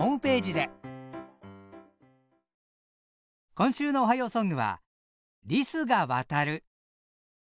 今週の「おはようソング」は「リスがわたる」。